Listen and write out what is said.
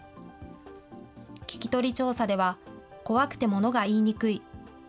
聞き取り調査では、怖くてものが言いにくい。